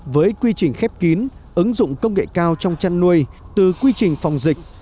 với quy trình khép kín ứng dụng công nghệ cao trong chăn nuôi từ quy trình phòng dịch